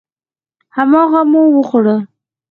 هماغه مو وخوړه.